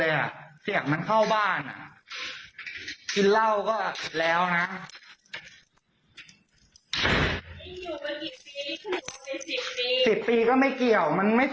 อู้มเสียงเข้าบ้านคนอื่นลบรวมคนอื่น